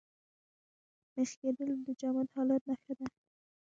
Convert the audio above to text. مېخ کېدل د جامد حالت نخښه ده.